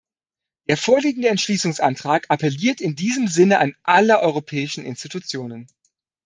Der vorliegende Entschließungsantrag appelliert in diesem Sinne an alle europäischen Institutionen.